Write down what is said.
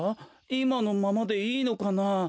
いまのままでいいのかなあ？